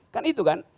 kan itu kan